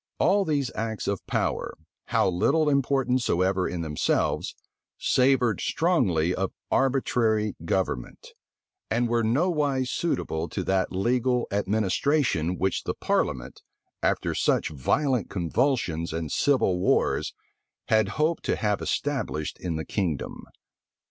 All these acts of power, how little important soever in themselves, savored strongly of arbitrary government; and were nowise suitable to that legal administration which the parliament, after such violent convulsions and civil wars, had hoped to have established in the kingdom.